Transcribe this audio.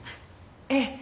ええ。